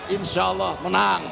insya allah menang